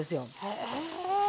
へえ。